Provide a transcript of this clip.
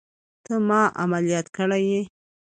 ته ما عمليات کړى يې.